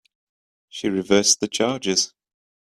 She reversed the charges.